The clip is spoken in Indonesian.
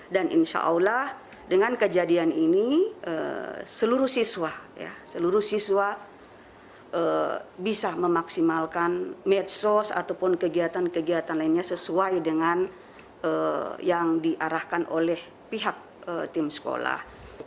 dan insya allah dengan kejadian ini seluruh siswa bisa memaksimalkan medsos ataupun kegiatan kegiatan lainnya sesuai dengan yang diarahkan oleh pihak tim sekolah